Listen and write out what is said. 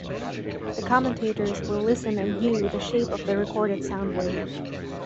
The commentators will listen and view the shape of the recorded soundwave.